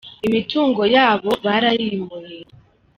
imitungo yabo barayimuye.